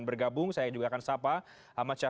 kita bahas juga terkait dengan pancasila